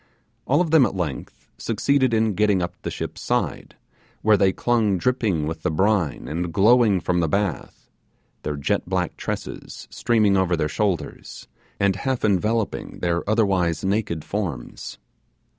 All of them at length succeeded in getting up the ship's side, where they clung dripping with the brine and glowing from the bath, their jet black tresses streaming over their shoulders, and half enveloping their otherwise naked forms.